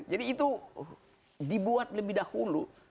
jadi itu dibuat lebih dahulu